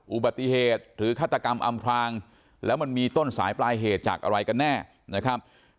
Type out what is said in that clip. อุบัติเหตุหรือฆาตกรรมอำพลางแล้วมันมีต้นสายปลายเหตุจากอะไรกันแน่นะครับ